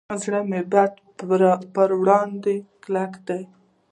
زړه د بدۍ پر وړاندې کلک دی.